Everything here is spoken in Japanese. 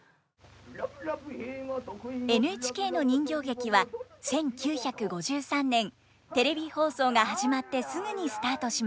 ＮＨＫの人形劇は１９５３年テレビ放送が始まってすぐにスタートしました。